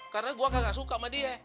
karena gua nggak suka sama dia